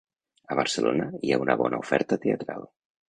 A Barcelona hi ha una bona oferta teatral.